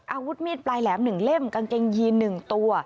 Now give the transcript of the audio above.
อาวุธมีดปลายแหลม๑เล่มกางเกงยีน๑ตัว